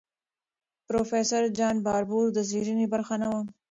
پروفیسور جان باربور د څېړنې برخه نه وه.